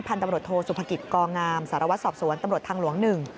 พันธุ์ตำรวจโทรสุภกิจกองอามสารวัติสอบสวนตำรวจทางหลวง๑